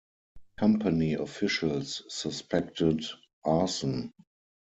Company officials suspected arson.